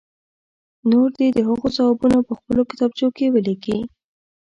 نور دې د هغو ځوابونه په خپلو کتابچو کې ولیکي.